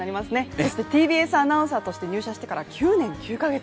そしてＴＢＳアナウンサーとして入社してから９年９か月。